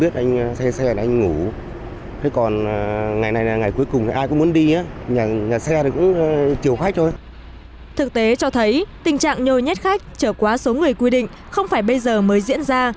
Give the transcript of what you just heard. thực tế cho thấy tình trạng nhồi nhét khách trở quá số người quy định không phải bây giờ mới diễn ra